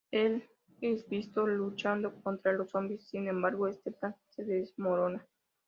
Él es visto luchando contra los zombies; sin embargo, este plan se desmorona.